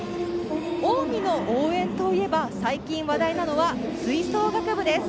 近江の応援といえば最近、話題なのは吹奏楽部です。